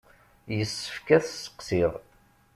Yessefk ad t-sseqsiɣ.